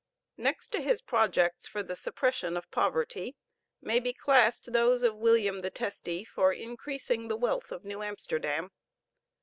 Next to his projects for the suppression of poverty may be classed those of William the Testy for increasing the wealth of New Amsterdam.